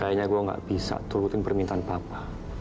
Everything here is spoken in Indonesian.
kayaknya gue gak bisa turutin permintaan bapak